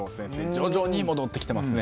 徐々に戻ってきていますね。